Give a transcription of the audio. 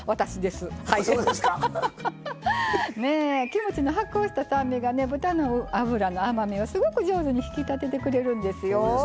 キムチの発酵した酸味が豚の脂の甘みをすごく上手に引き立ててくれるんですよ。